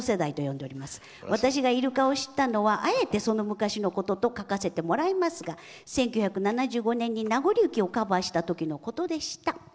「私がイルカを知ったのはあえてその昔のことと書かせてもらいますが１９７５年に「なごり雪」をカバーしたときのことでした。